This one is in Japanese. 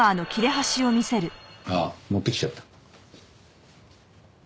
ああ持ってきちゃった。